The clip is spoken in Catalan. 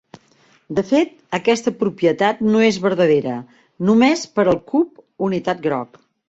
De fet aquesta propietat no és verdadera només per al cub unitat groc.